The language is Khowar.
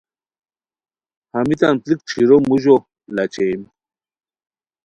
ہمیتان پیڑیک ݯھیرو موژو لاچھئیم